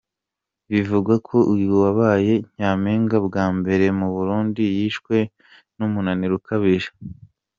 Bivugwa ko uyu wabaye Nyampinga bwa mbere mu Burundi yishwe n’umunaniro ukaije.